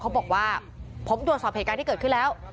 เขาบอกว่าผมตรวจสอบเหตุการณ์ที่เกิดขึ้นแล้ว